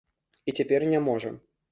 І цяпер не можа.